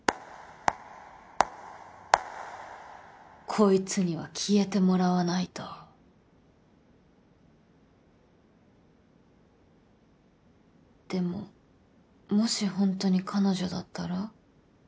こいつには消えてもらわないとでももしほんとに彼女だったら？